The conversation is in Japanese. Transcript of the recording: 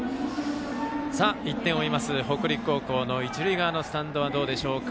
１点を追います北陸高校の一塁側のスタンドはどうでしょう。